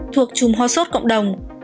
thuộc chùm ho sốt cộng đồng